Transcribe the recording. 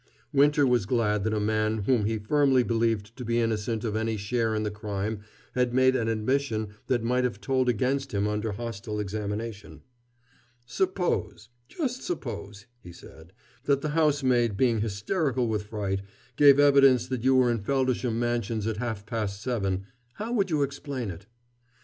Winter was glad that a man whom he firmly believed to be innocent of any share in the crime had made an admission that might have told against him under hostile examination. "Suppose just suppose " he said, "that the housemaid, being hysterical with fright, gave evidence that you were in Feldisham Mansions at half past seven how would you explain it?"